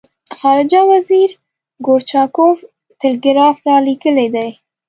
خارجه وزیر ګورچاکوف ټلګراف را لېږلی دی.